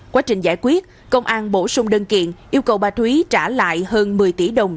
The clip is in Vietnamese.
quá trình giải quyết công an bổ sung đơn kiện yêu cầu bà thúy trả lại hơn một mươi tỷ đồng